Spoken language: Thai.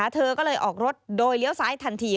เธอก็เลยออกรถโดยเลี้ยวซ้ายทันที